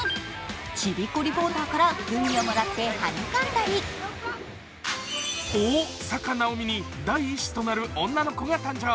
ちびっこリポーターからグミをもらってはにかんだり大坂なおみに第１子となる女の子が誕生。